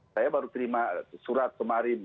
saya baru terima surat kemarin